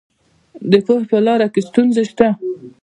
د پوهې په لاره کې ستونزې شته.